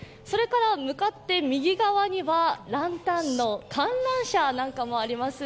向かって右側にはランタンの観覧車なんかもあります。